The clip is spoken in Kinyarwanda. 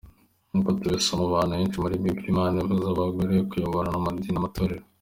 Nkuko tubisoma ahantu henshi muli Bible, imana ibuza abagore kuyobora amadini n’amatorero.